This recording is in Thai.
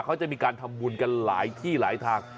เขาจะมีการทำบุญกันหลายที่หลายทาง